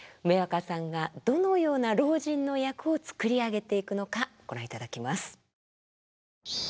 梅若さんがどのような老人の役を作り上げていくのかご覧いただきます。